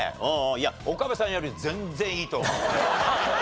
いや岡部さんより全然いいと思う。